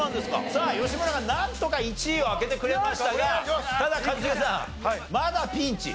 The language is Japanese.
さあ吉村がなんとか１位を開けてくれましたがただ一茂さんまだピンチ。